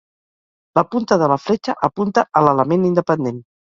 La punta de la fletxa apunta a l'element independent.